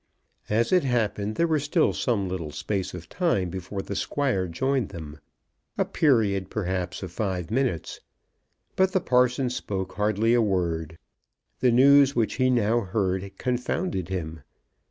As it happened, there was still some little space of time before the Squire joined them, a period perhaps of five minutes. But the parson spoke hardly a word. The news which he now heard confounded him.